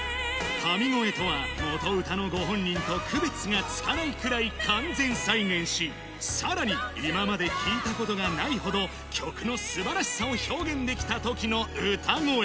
神声とは、元歌のご本人と区別がつかないくらい完全再現し、さらに今まで聴いたことがないほど、曲のすばらしさを表現できたときの歌声。